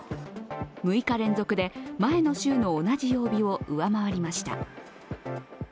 ６日連続で前の週の同じ曜日を上回りました。